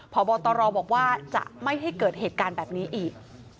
พบตรบอกว่าจะไม่ให้เกิดเหตุการณ์แบบนี้อีก